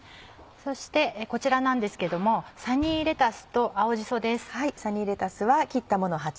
そしてこちらなんですけどもサニーレタスと青じそです。